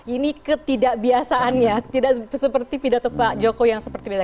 ini ketidakbiasaannya tidak seperti pidato pak jokowi yang seperti biasa